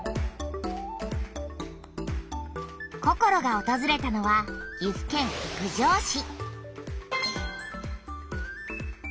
ココロがおとずれたのは岐阜県郡上市。